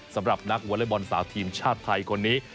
สำหรับนักวอลยุคหลังเนี่ยสาวทีมชาติไทยคนนี้